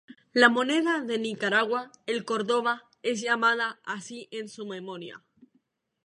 La moneda de Nicaragua, el córdoba, es llamada así en su memoria.